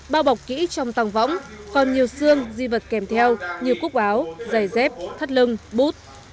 bao bọc kỹ trong tàng võng còn nhiều xương di vật kèm theo như cúc áo giày dép thắt lưng bút